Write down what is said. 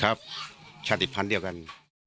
ครับชาติพันธ์เดียวกัน